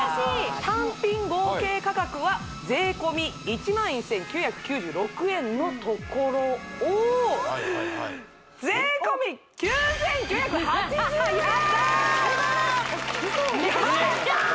単品合計価格は税込１１９９６円のところをハハハッやったー！